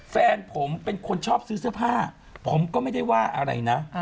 แฟนผมเป็นคนชอบซื้อเสื้อผ้าผมก็ไม่ได้ว่าอะไรนะ